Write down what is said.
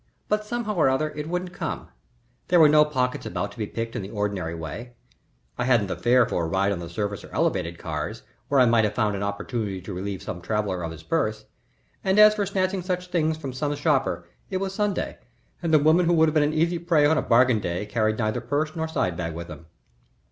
But, somehow or other, it wouldn't come. There were no pockets about to be picked in the ordinary way. I hadn't the fare for a ride on the surface or elevated cars, where I might have found an opportunity to relieve some traveller of his purse, and as for snatching such a thing from some shopper, it was Sunday and the women who would have been an easy prey on a bargain day carried neither purse nor side bag with them.